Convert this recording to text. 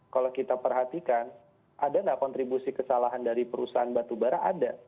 kalau kita perhatikan ada nggak kontribusi kesalahan dari perusahaan batubara ada